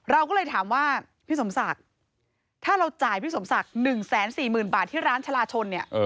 เราก็เลยถามว่าพี่สมศักดิ์ถ้าเราจ่ายพี่สมศักดิ์๑๔๐๐๐บาทที่ร้านชาลาชนเนี่ย